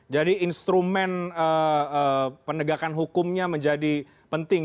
jadi instrumen penegakan hukumnya menjadi penting